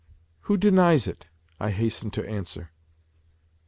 " Who denies it !" I hastened to answer.